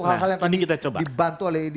hal hal yang tadi dibantu oleh